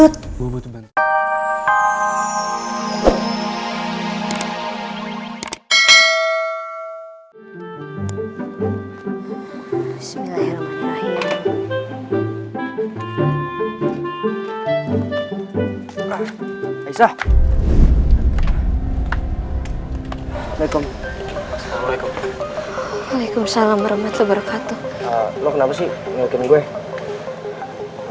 lo masih marah ya gara gara omongan